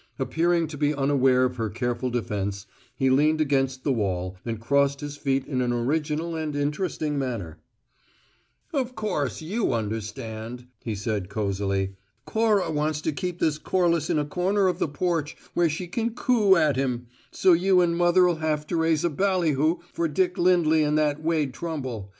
Appearing to be unaware of her careful defence, he leaned against the wall and crossed his feet in an original and interesting manner. "Of course you understand," he said cosily. "Cora wants to keep this Corliss in a corner of the porch where she can coo at him; so you and mother'll have to raise a ballyhoo for Dick Lindley and that Wade Trumble.